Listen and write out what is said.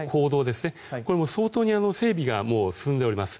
これも相当に整備が進んでおります。